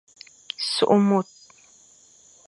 Sukh môr.